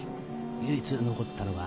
唯一残ったのが。